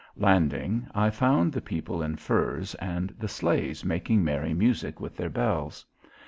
Landing I found the people in furs and the sleighs making merry music with their bells.